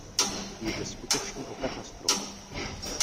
Jde skutečně o katastrofu.